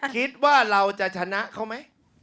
คิดว่าเราจะชนะเขาไหม